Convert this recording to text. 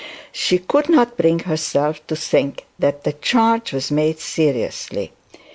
She could not bring herself to think the charge was made seriously.